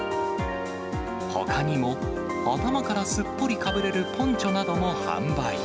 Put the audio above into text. ほかにも、頭からすっぽりかぶれるポンチョなども販売。